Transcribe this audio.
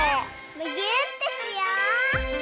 むぎゅーってしよう！